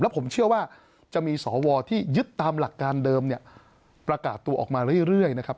ผมเชื่อว่าจะมีสวที่ยึดตามหลักการเดิมเนี่ยประกาศตัวออกมาเรื่อยนะครับ